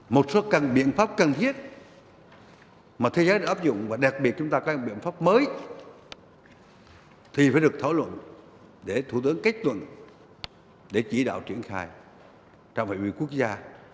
một số căn biện pháp cần thiết mà thế giới đã áp dụng và đặc biệt chúng ta có các biện pháp mới thì phải được thảo luận để thủ tướng kết luận để chỉ đạo triển khai trong phạm vi quốc gia